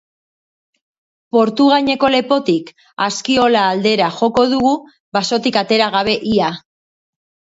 Portugaineko lepotik Askiola aldera joko dugu, basotik atera gabe ia.